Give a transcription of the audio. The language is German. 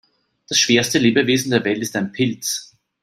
Das schwerste Lebewesen der Welt ist ein Pilz.